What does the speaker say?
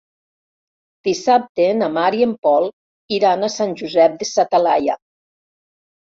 Dissabte na Mar i en Pol iran a Sant Josep de sa Talaia.